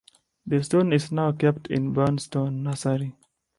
The stone is now kept in Boundstone Nursery.